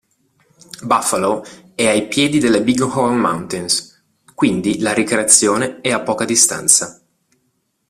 Buffalo è ai piedi delle Bighorn Mountains, quindi la ricreazione è a poca distanza.